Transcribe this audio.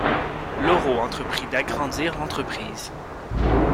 Lauro entreprit d'agrandir l'entreprise.